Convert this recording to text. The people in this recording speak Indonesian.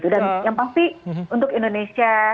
dan yang pasti untuk indonesia